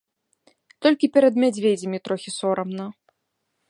Толькі перад мядзведзямі трохі сорамна.